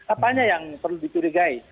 apanya yang perlu diturigai